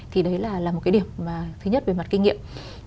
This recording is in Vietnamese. thì đấy là một cái điểm thứ nhất về mặt kinh nghiệm